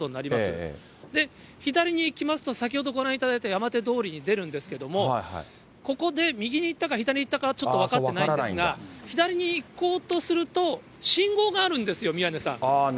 で、左に行きますと、先ほどご覧いただいた山手通りに出るんですけれども、ここで右に行ったか、左に行ったかは、ちょっと分かってないんですが、左に行こうとすると、信号があるんですよ、宮根さん。